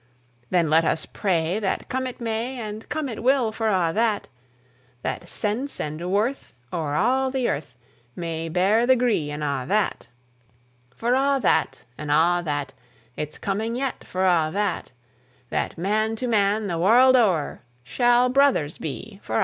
Then let us pray that come it may As come it will for a' that That sense and worth, o'er a' the earth, May bear the gree, and a' that; For a' that, and a' that, It's coming yet for a' that, That man to man, the warld o'er, Shall brothers be for a' that!